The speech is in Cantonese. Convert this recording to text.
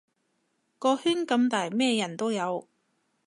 個圈咁大咩人都有